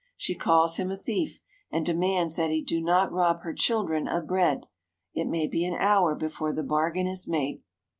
She calls him a thief, and de mands that he do not rob her children of bread. It may be an hour before the bargain is made.